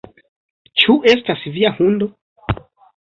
"Ĉu estas via hundo?"